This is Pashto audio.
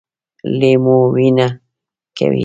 لۍ مو وینه کوي؟